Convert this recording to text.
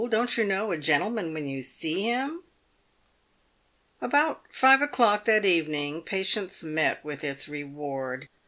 don't you know a gentleman when you see him ?" About five o'clock that evening, patience met with its reward.